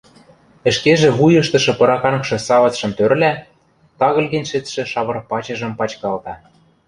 Ӹшкежӹ вуйыштышы пыракангшы Савыцшым тӧрла, тагыльген шӹцшӹ шавыр пачыжым пачкалта.